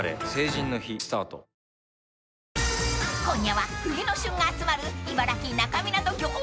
［今夜は］